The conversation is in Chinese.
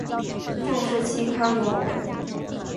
注释期刊论文